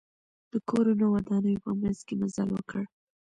د کورونو او ودانیو په منځ کې مزل وکړ.